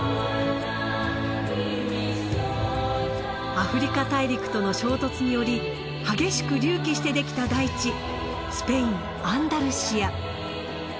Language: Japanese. アフリカ大陸との衝突により激しく隆起してできた大地スペイン・アンダルシア。